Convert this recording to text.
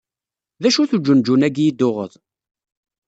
D acu-t uǧenǧun-agi i d-tuɣed?